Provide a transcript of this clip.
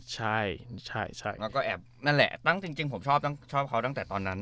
แล้วก็แอบนั่นแหละจริงผมชอบเขาตั้งแต่ตอนนั้น